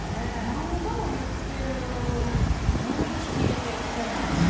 何度も言ってるのに聞き入れてくれない。